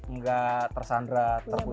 nggak tersandrat terkunci